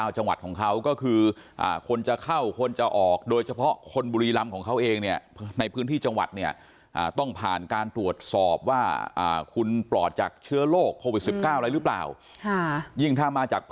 เชือโรคอะไรหรือเปล่า